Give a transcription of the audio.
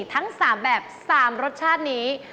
ทั้ง๓แบบ๓รสชาตินี้